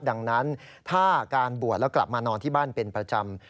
ดังนั้นถ้าการบวชแล้วกลับมานอนที่บ้านเป็นประจำ